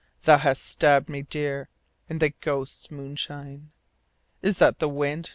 Thou hast stabbed me dear. In the ghosts' moonshine. Is that the wind